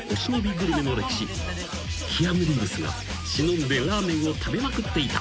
［キアヌ・リーブスが忍んでラーメンを食べまくっていた］